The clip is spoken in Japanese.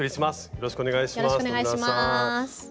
よろしくお願いします野村さん。